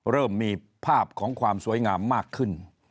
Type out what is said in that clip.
เริ่มมีภาพของความสวยงามมากขึ้น